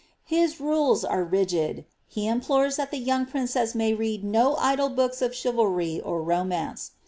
His rules are rigid : he implores that the ybung princeH may read no idle books of chivalry or romance.